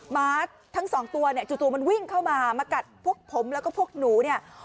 หมาทั้งสองตัวเนี่ยจู่มันวิ่งเข้ามามากัดพวกผมแล้วก็พวกหนูเนี่ย